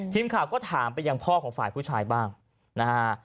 ทีมข่าวก็ถามไปยังพ่อของฝ่ายผู้ชายบ้างนะฮะ